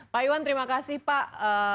pak iwan terima kasih pak